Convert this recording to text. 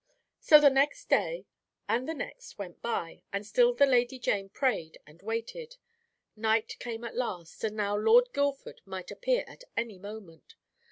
"So the next day and the next went by, and still the Lady Jane prayed and waited. Night came at last, and now Lord Guildford might appear at any moment.